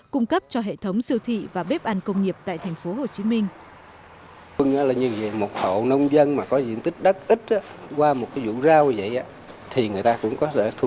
cung cấp cho hệ thống siêu thị và bếp ăn công nghiệp tại thành phố hồ chí minh